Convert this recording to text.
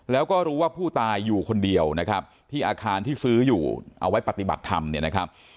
แล้วก็รู้ว่าผู้ตายอยู่คนเดียวนะครับที่อาคารที่ซื้ออยู่เอาไว้ปฏิบัติธรรมเนี่ยนะครับ